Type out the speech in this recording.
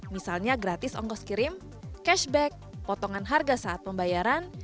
misalnya gratis ongkos kirim cashback potongan harga saat pembayaran